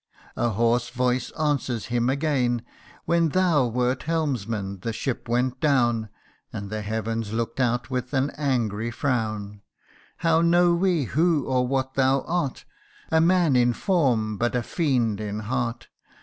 A hoarse voice answers him again : 150 THE UNDYING ONE. " When thou wert helmsman, the ship went down, And the heavens look'd out with an angry frown. How know we who or what thou art, A man in form, but a fiend in heart